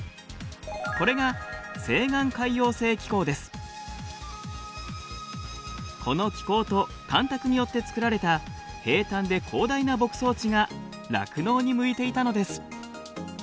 これがこの気候と干拓によって作られた平たんで広大な牧草地が酪農に向いていたのです。